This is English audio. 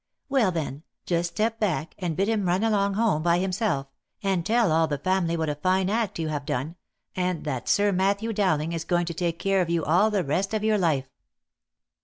" Well, then, just step back, and bid him run along home by himself, and tell all the family what a fine act you have done, and that Sir Matthew Dowling is going to take care of you all the rest of your life."